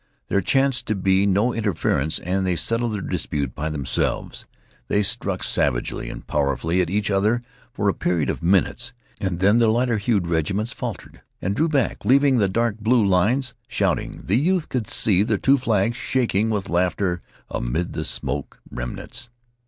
There chanced to be no interference, and they settled their dispute by themselves. They struck savagely and powerfully at each other for a period of minutes, and then the lighter hued regiments faltered and drew back, leaving the dark blue lines shouting. The youth could see the two flags shaking with laughter amid the smoke remnants.